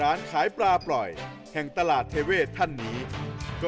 คิกคิกคิกคิกคิกคิกคิกคิก